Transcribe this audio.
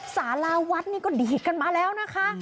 สาราวัดนี่ก็ดีดกันมาแล้วนะคะ